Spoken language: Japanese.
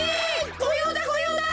ごようだごようだ！